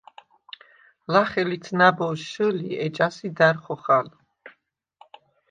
ლახე ლიც ნა̈ბოზს შჷლი, ეჯასი და̈რ ხოხალ.